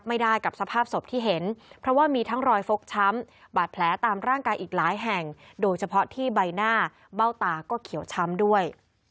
กับสภาพศพที่เห็นเพราะว่ามีทั้งรอยฟกช้ำบาดแผลตามร่างกายอีกหลายแห่งโดยเฉพาะที่ใบหน้าเบ้าตาก็เขียวช้ำด้วย